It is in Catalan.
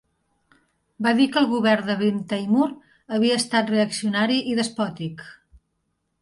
Va dir que el govern de Bin Taimur havia estat reaccionari i despòtic.